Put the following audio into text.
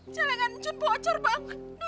jalankan cun bocor bang